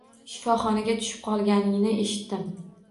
Shifoxonaga tushib qolganingni eshitdim